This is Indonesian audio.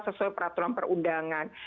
sesuai peraturan perundangan